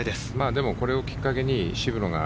でもこれをきっかけに渋野が